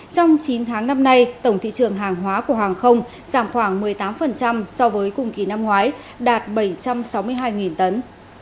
trong chín tháng năm nay tổng thị trường hàng hóa của hàng không giảm khoảng một mươi tám so với cùng kỳ năm ngoái đạt bảy trăm sáu mươi hai tấn